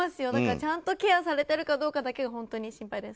ちゃんとケアされてるかどうかだけが本当に心配です。